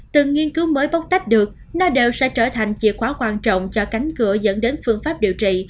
từ nghiên cứu mới bóc tách được nó đều sẽ trở thành chìa khóa quan trọng cho cánh cửa dẫn đến phương pháp điều trị